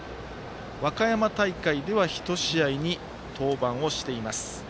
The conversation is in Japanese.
和歌山大会ではひと試合に登板をしています。